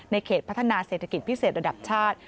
เขตพัฒนาเศรษฐกิจพิเศษระดับชาติ